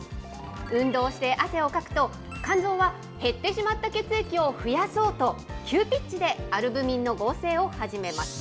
運動して汗をかくと、肝臓は減ってしまった血液を増やそうと、急ピッチでアルブミンの合成を始めます。